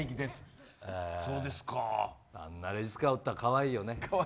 あんなレジ使いおったらかわいいよね。